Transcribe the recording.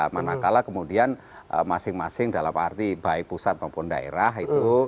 manakala kemudian masing masing dalam arti baik pusat maupun daerah itu